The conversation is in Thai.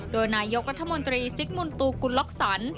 โดยนายกรัฐมนตรีซิกมุนตูกุลล็อกสัน